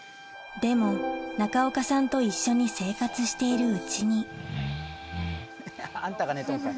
でも中岡さんと一緒に生活しているうちにあんたが寝とんかい。